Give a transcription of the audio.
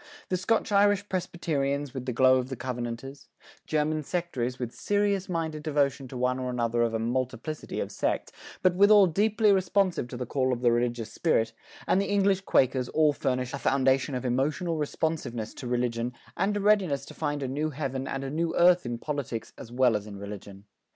The Scotch Irish Presbyterians with the glow of the covenanters; German sectaries with serious minded devotion to one or another of a multiplicity of sects, but withal deeply responsive to the call of the religious spirit, and the English Quakers all furnish a foundation of emotional responsiveness to religion and a readiness to find a new heaven and a new earth in politics as well as in religion.